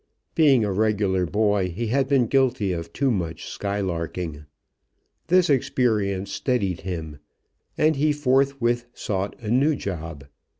Being a regular boy, he had been guilty of too much skylarking. This experience steadied him, and he forthwith sought a new job.